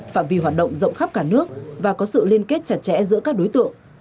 phạm vi hoạt động rộng khắp cả nước và có sự liên kết chặt chẽ giữa các đối tượng